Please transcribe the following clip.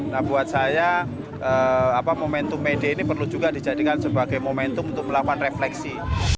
nah buat saya momentum may day ini perlu juga dijadikan sebagai momentum untuk melakukan refleksi